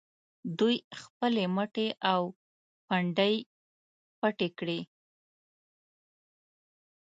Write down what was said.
دوی خپلې مټې او پنډۍ پټې کړي.